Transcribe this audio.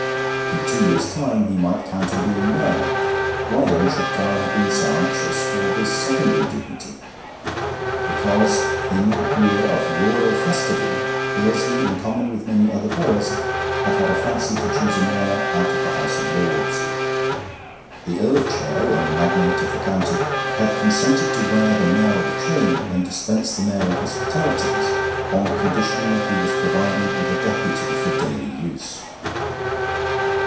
In two years' time he might count on being Mayor. Why, then, should Clara have been so anxious for this secondary dignity? Because, in that year of royal festival, Bursley, in common with many other boroughs, had had a fancy to choose a Mayor out of the House of Lords. The Earl of Chell, a magnate of the county, had consented to wear the mayoral chain and dispense the mayoral hospitalities on condition that he was provided with a deputy for daily use.